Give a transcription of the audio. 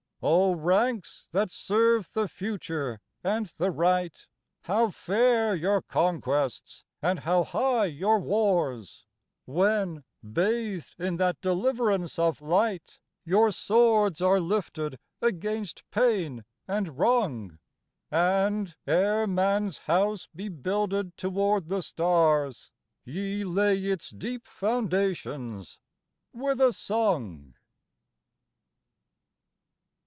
O ranks that serve the future and the Right, How fair your conquests and how high your wars, When, bathed in that deliverance of light, Your swords are lifted against pain and wrong, And, ere man s House be builded toward the stars, Ye lay its deep foundations with a song!